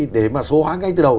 để mà số hóa ngay từ đầu